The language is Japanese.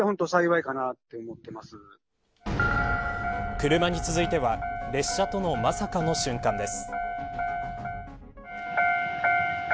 車に続いては列車とのまさかの瞬間です。